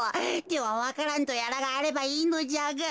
ではわか蘭とやらがあればいいのじゃが。